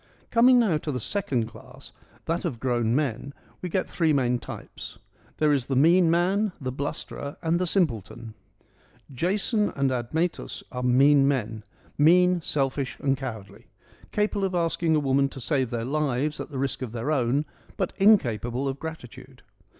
Coming now to the second class, that of grown men, we get three main types : there is the mean man, the blusterer, and the simpleton. Jason and Admetus are mean men : mean, selfish and cowardly : capable of asking a woman to save their lives at the risk of her own, but incapable of gratitude.